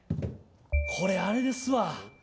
これあれですわ。